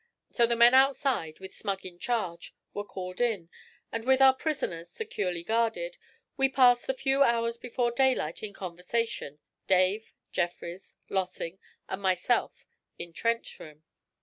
So the men outside with Smug in charge were called in, and with our prisoners securely guarded, we passed the few hours before daylight in conversation, Dave, Jeffrys, Lossing, and myself, in Trent's room.